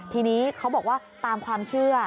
ทีนี้เขาบอกว่าตามความเชื่อ